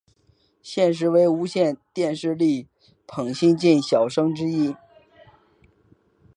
现时为无线电视力捧新晋小生之一。